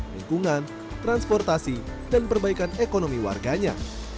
lingkungan transportasi dan perbaikan ekonomi warganya